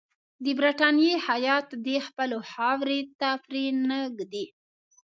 د برټانیې هیات دي خپلو خاورې ته پرې نه ږدي.